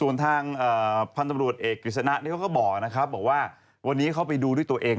ราคาบอกเอาไว้อยู่แล้ว